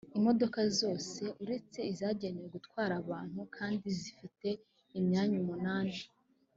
imodoka zose uretse izagenewe gutwara abantu kandi zifite imyanya umunani